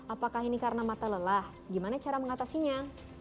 apakah ini karena mata lelah gimana cara mengatasinya